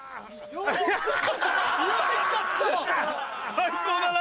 最高だな！